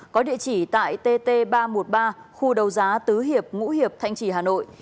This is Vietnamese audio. có địa chỉ tại tt ba trăm một mươi ba khu đầu giá tứ hiệp ngũ hiệp thanh trì hà nội